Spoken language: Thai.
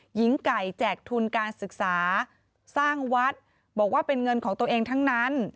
หญิงไก่แจกทุนการศึกษาสร้างวัดบอกว่าเป็นเงินของตัวเองทั้งนั้น